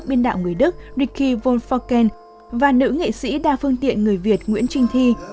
biên đạo người đức ricky wolforken và nữ nghệ sĩ đa phương tiện người việt nguyễn trinh thi